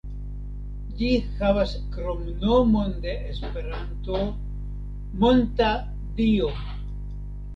Ĝi havas kromnomon de Esperanto, "Monta Dio".